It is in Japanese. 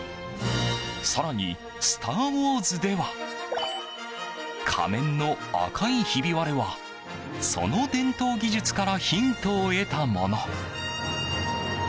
更に「スター・ウォーズ」では仮面の赤いひび割れはその伝統技術からヒントを得たもの。